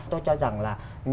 tôi cho rằng là